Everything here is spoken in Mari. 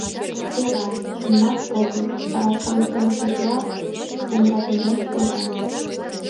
— Йӧра, нимат огыл, — аракам темышыжла эмратылеш оза.